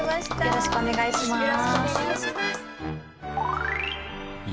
よろしくお願いします。